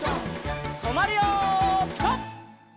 とまるよピタ！